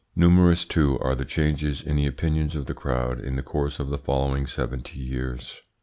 Numerous, too, are the changes in the opinions of the crowd in the course of the following seventy years.